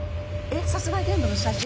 殺害現場の写真？